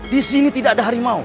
di sini tidak ada harimau